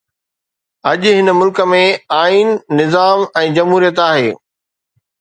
اڄ هن ملڪ ۾ آئين، نظام ۽ جمهوريت آهي.